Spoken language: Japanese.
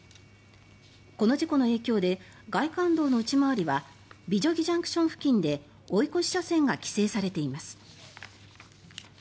この事故の影響で外環道の内回りは美女木ＪＣＴ付近で追い越し車線が規制されています。